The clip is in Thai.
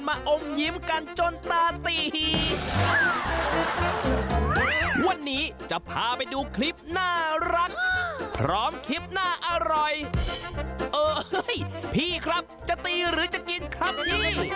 อ๋อเอ้อพี่ครับจะกินคำเตี๋ยวหรือจะตีครับ